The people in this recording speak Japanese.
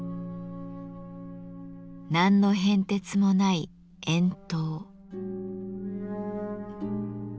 何の変哲もない「円筒」。